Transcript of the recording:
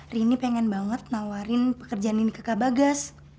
rini pengen banget nawarin pekerjaan ini ke kak bagas